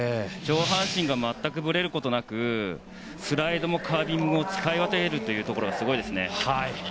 上半身が全くぶれることなくスライドもカービングも使い分けているところがすごいですね。